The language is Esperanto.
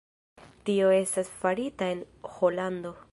Tio estas farita en Holando.